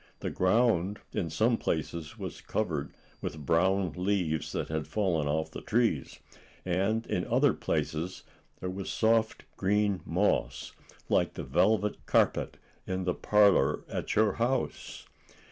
The ground in some places was covered with brown leaves, that had fallen off the trees, and in other places there was soft green moss, like the velvet carpet in the parlor at your house.